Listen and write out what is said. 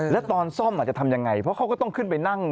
แล้วตอนซ่อมจะทำยังไงเพราะเขาก็ต้องขึ้นไปนั่ง